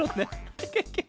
ケケケ。